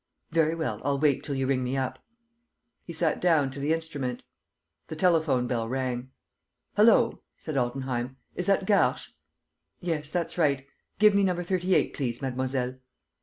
... Very well, I'll wait till you ring me up. ..." He sat down to the instrument. The telephone bell rang. "Hullo!" said Altenheim. "Is that Garches? ... Yes, that's right. ... Give me number 38, please, mademoiselle.